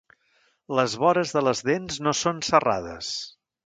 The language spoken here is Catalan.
Les vores de les dents no són serrades.